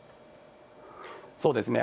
そうですね。